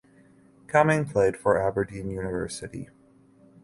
Cumming played for Aberdeen University.